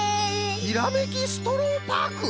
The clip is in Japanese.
ひらめきストローパーク！？